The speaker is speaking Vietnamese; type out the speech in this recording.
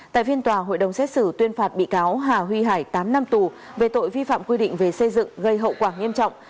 tại phiên tòa hội đồng xét xử tuyên phạt bị cáo hà huy hải tám năm tù về tội vi phạm quy định về xây dựng gây hậu quả nghiêm trọng